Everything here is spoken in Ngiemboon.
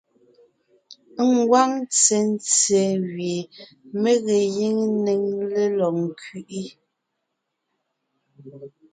Ngwáŋ ntsentse gẅie mé ge gíŋ néŋ lɔg kẅiʼi,